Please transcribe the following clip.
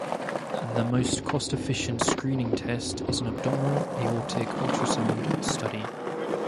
The most cost-efficient screening test is an abdominal aortic ultrasound study.